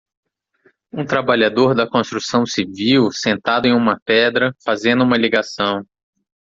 um trabalhador da construção civil sentado em uma pedra, fazendo uma ligação.